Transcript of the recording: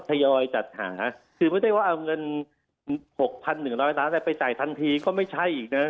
ทยอยจัดหาคือไม่ได้ว่าเอาเงิน๖๑๐๐ล้านไปจ่ายทันทีก็ไม่ใช่อีกนะ